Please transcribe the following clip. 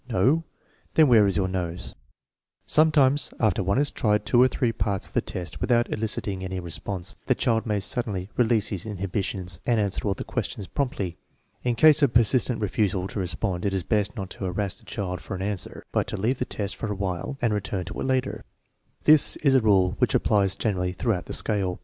" No ?"" Then where is your nose ?" Sometimes, after one has tried two or three parts of the test without eliciting any response, the child may suddenly release his inhibitions and answer all the questions promptly. In case of persistent refusal to respond it is best not to harass the child for an answer, but to leave the test for a while and return to it later. This is a rule which applies generally throughout the scale.